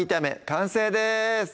完成です